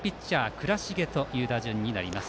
倉重という打順になります。